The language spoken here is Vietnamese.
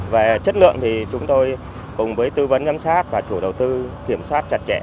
về chất lượng thì chúng tôi cùng với tư vấn giám sát và chủ đầu tư kiểm soát chặt chẽ